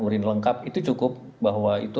urin lengkap itu cukup bahwa itu